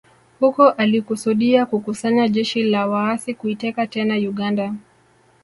Huko alikusudia kukusanya jeshi la waasi kuiteka tena Uganda